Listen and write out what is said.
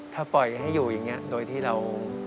ถ้าปล่อยให้อยู่อย่างนี้โดยที่เรา